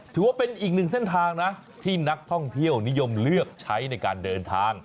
ถือว่าเป็นอีกหนึ่งเส้นทางนะที่นักท่องเที่ยวนิยมเลือกใช้ในการเดินทาง